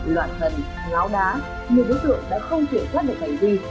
loạn hần láo đá nhiều đối tượng đã không thể phát được hành vi